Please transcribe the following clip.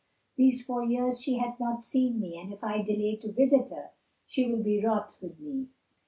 These four years she hath not seen me and if I delay to visit her, she will be wroth with me.